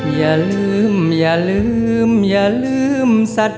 อย่าลืมอย่าลืมอย่าลืมสัตว์